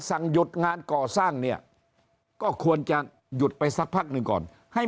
สั่งหยุดงานก่อสร้างเนี่ยก็ควรจะหยุดไปสักพักหนึ่งก่อนให้